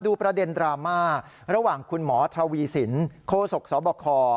ประเด็นดราม่าระหว่างคุณหมอทวีสินโคศกสบค